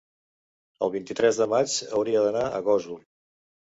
el vint-i-tres de maig hauria d'anar a Gósol.